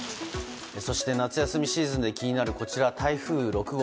そして、夏休みシーズンで気になる台風６号。